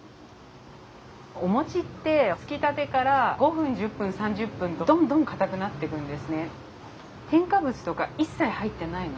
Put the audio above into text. お餅ってつきたてから５分１０分３０分とどんどんかたくなってくんですね。